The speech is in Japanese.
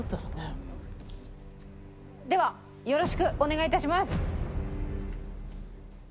ではよろしくお願いいたします。